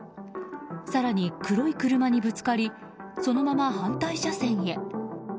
更に黒い車にぶつかりそのまま反対車線へ。